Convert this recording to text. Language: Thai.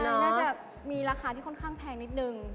น่าจะมีราคาที่ค่อนข้างแพงนิดนึง